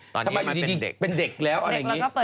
ทำไมอยู่ดีเป็นเด็กแล้วอะไรอย่างนี้